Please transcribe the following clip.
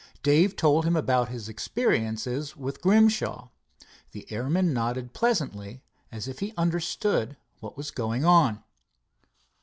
Dave told him about his experience with Grimshaw. The airman nodded pleasantly, as if he understood what was going on.